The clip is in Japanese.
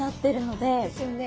そうですよね。